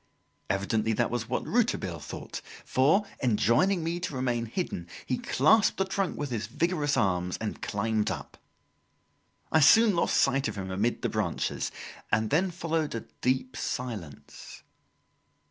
Evidently that was what Rouletabille thought, for, enjoining me to remain hidden, he clasped the trunk with his vigorous arms and climbed up. I soon lost sight of him amid the branches, and then followed a deep silence.